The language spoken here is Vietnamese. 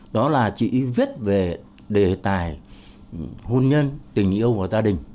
đó là chị viết về đề tài hôn nhân tình yêu của gia đình